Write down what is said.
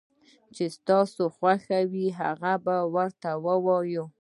چې ستا څه خوښ وي هغه به ورته ووايو